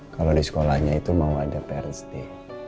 kalau di sekolahnya itu mau ada prd